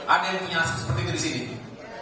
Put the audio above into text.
ada yang punya seperti itu di sini